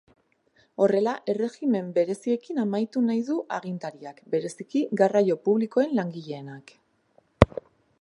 Horrela, erregimen bereziekin amaitu nahi du agintariak, bereziki garraio publikoen langileenak.